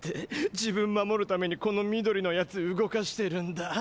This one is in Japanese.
自分守るためにこの緑の奴動かしてるんだ？